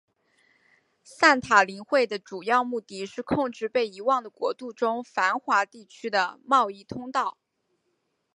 散塔林会的主要目的是控制被遗忘的国度中繁华地区的贸易通道。